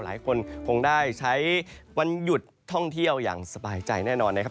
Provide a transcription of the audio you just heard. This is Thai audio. หลายคนคงได้ใช้วันหยุดท่องเที่ยวอย่างสบายใจแน่นอนนะครับ